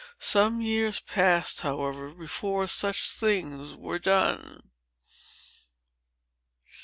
Some years passed, however, before such things were done."